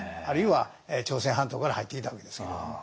あるいは朝鮮半島から入ってきたわけですけども。